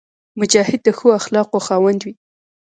مجاهد د ښو اخلاقو خاوند وي.